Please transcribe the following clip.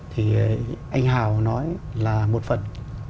thì anh hào nói là một phần